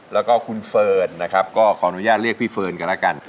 แล้วก็คุณเฟิร์นนะครับก็ขออนุญาตเรียกพี่เฟิร์นกันแล้วกัน